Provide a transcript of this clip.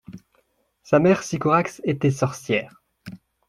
Sa mère, Sycorax, était sorcière.